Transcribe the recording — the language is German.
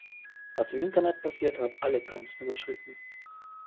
Was im Internet passiert, hat alle Grenzen überschritten.